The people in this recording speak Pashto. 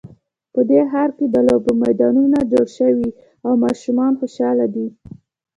په دې ښار کې د لوبو میدانونه جوړ شوي او ماشومان خوشحاله دي